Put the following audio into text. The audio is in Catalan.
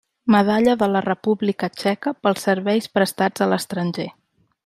Medalla de la República Txeca pels serveis prestats a l'estranger.